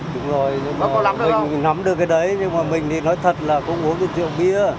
đúng rồi nhưng mà mình nắm được cái đấy nhưng mà mình thì nói thật là không uống được triệu bia